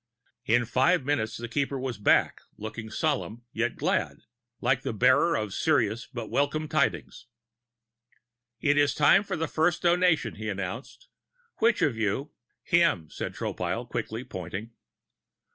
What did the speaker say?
In five minutes, the Keeper was back, looking solemn and yet glad, like a bearer of serious but welcome tidings. "It is the time for the first Donation," he announced. "Which of you " "Him," said Tropile quickly, pointing.